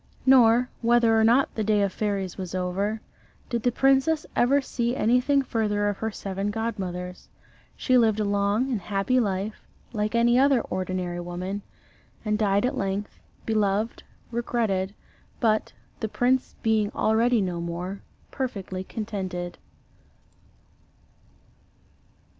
Nor whether or not the day of fairies was over did the princess ever see anything further of her seven godmothers. She lived a long and happy life, like any other ordinary woman, and died at length, beloved, regretted, but, the prince being already no more, perfectly contented.